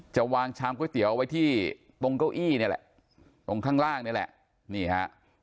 จะวางชามก๋วยเตี๋ยวไว้ที่ตรงเก้าอี้นี่แหละตรงข้างล่างนี่แหละนี่ฮะ